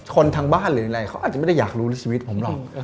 ทางบ้านหรืออะไรเขาอาจจะไม่ได้อยากรู้ในชีวิตผมหรอก